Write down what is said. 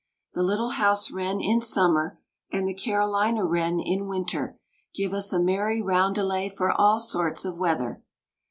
The little house wren in summer, and the Carolina wren in winter, give us a merry roundelay for all sorts of weather.